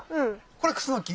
これクスノキ。